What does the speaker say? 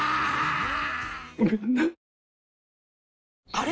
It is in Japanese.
あれ？